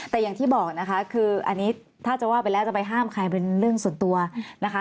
แต่อย่างที่บอกนะคะคืออันนี้ถ้าจะว่าไปแล้วจะไปห้ามใครเป็นเรื่องส่วนตัวนะคะ